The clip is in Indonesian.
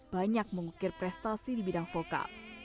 banyak mengukir prestasi di bidang vokal